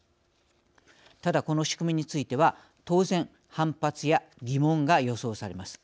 ただこの仕組みについては当然反発や疑問が予想されます。